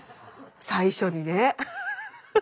最初にね。